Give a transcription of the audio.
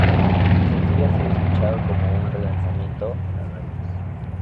El sencillo ha sido escuchado como un relanzamiento en las radios.